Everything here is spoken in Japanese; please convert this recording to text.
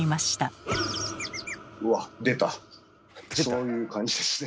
そういう感じですね。